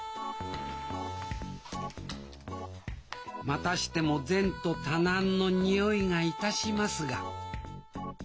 またしても前途多難のにおいがいたしますが。